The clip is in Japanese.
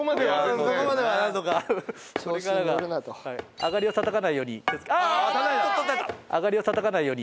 あがりをたたかないように。